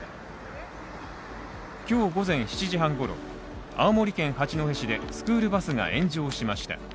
今日午前７時半ごろ、青森県八戸市でスクールバスが炎上しました。